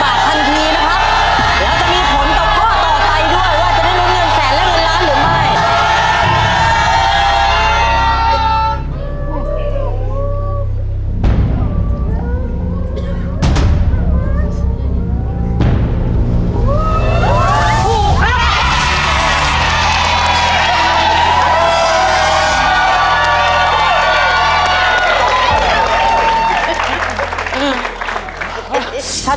เดี๋ยวจะมีผลต่อไปด้วยว่าจะได้รุมเงินแสนและรุมล้านหรือไม่